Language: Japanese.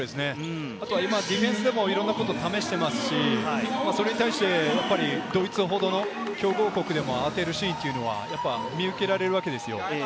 今、ディフェンスでもいろんなことを試していますし、それに対してドイツほどの強豪国でも慌てるシーンっていうのは見受けられるわけですよ。